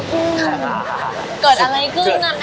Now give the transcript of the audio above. เกิดอะไรขึ้นนะแม่